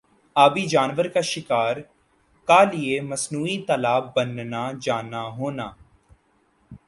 آبی جانور کا شکار کا لئے مصنوعی تالاب بننا جانا ہونا